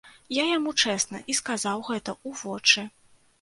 Я яму чэсна і сказаў гэта ў вочы.